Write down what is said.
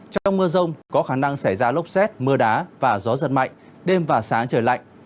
trong mưa rông có khả năng xảy ra lốc xét mưa đá và gió giật mạnh đêm và sáng trời lạnh